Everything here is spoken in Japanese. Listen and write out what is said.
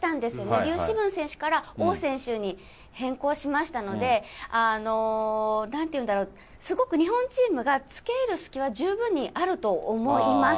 リュウシブン選手から王選手に変更しましたので、なんて言うんだろう、すごく日本チームがつけいる隙は十分にあると思います。